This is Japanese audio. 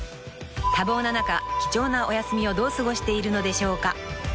［多忙な中貴重なお休みをどう過ごしているのでしょうか］